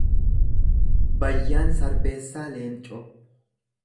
Bayyaan Sarbeessaa Leencoo